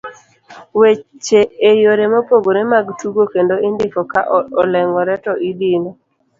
weche e yore mopogore mag tugo kendo indiko ka oleng'ore to idino